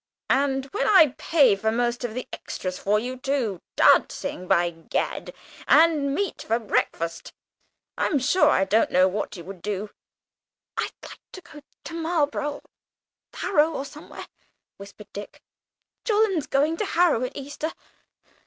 And when I pay for most of the extras for you too. Dancing, by Gad, and meat for breakfast. I'm sure I don't know what you would have." "I'd like to go to Marlborough, or Harrow, or somewhere," whimpered Dick. "Jolland's going to Harrow at Easter.